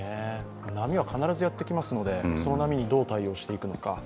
波は必ずやってきますのでその波にどう対応していくのか。